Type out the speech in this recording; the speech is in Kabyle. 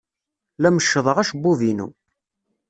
La meccḍeɣ acebbub-inu.